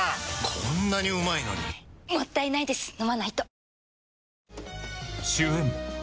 こんなにうまいのにもったいないです、飲まないと。